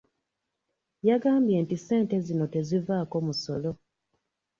Yagambye nti ssente zino tezivaako musolo.